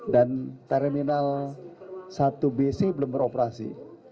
terminal satu bc belum beroperasi